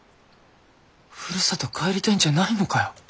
ふるさと帰りたいんじゃないのかよ。